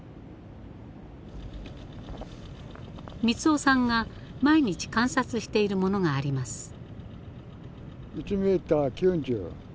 三男さんが毎日観察している物があります。